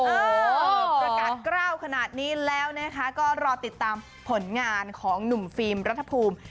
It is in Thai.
ประกาศกล้าวขนาดนี้แล้วนะคะก็รอติดตามผลงานของหนุ่มฟิล์มรัฐภูมิ